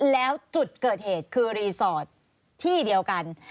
แล้วจุดเกิดเหตุคือรีสอร์ทที่เดียวกัน